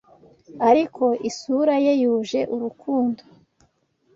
Ariko isura ye yuje urukundo